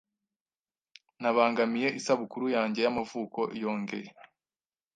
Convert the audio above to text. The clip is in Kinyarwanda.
Nabangamiye isabukuru yanjye y'amavuko..yongeye